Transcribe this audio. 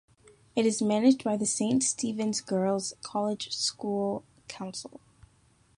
It is managed by the Saint Stephen's Girls' College School Council.